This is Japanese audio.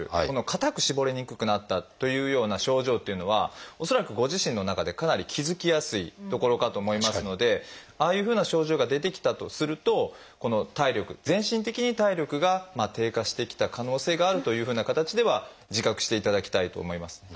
固く絞りにくくなったというような症状っていうのは恐らくご自身の中でかなり気付きやすいところかと思いますのでああいうふうな症状が出てきたとすると体力全身的に体力が低下してきた可能性があるというふうな形では自覚していただきたいと思います。